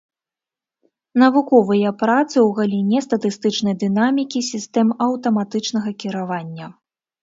Навуковыя працы ў галіне статыстычнай дынамікі сістэм аўтаматычнага кіравання.